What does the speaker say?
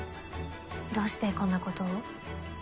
どうしてこんなことを？